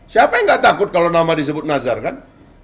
siapa yang gak takut kalau nama disebut nazar kan